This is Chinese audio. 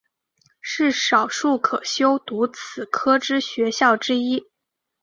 是少数可修读此科之学校之一。